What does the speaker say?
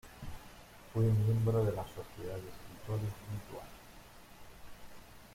Fue miembro de la Sociedad de escritores lituanos.